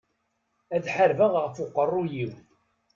Ad ḥarbeɣ ɣef uqerru-iw.